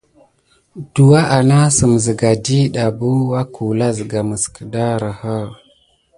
Douwa anasime siga ɗida bukun wakula siga mis gedaouraha.